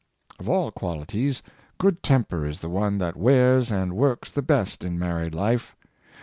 Of all qualities, good temper is the one that wears and works the best in married life.